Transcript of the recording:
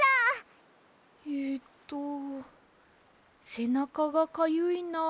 えっとせなかがかゆいなですか？